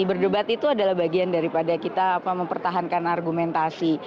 berdebat itu adalah bagian daripada kita mempertahankan argumentasi